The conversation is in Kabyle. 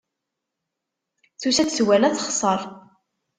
Tusa-d, twala, texṣer.